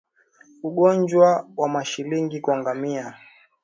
Ugonjwa wa Mashilingi kwa ngamia